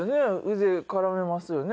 腕絡めますよね？